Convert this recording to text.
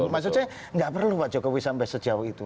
maksudnya gak perlu pak jokowi sampai sejauh itu